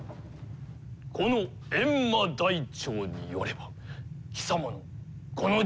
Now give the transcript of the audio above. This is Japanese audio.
この閻魔台帳によれば貴様のこの事業に。